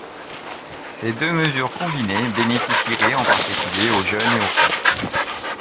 Ces deux mesures combinées bénéficieraient en particulier aux jeunes et aux femmes.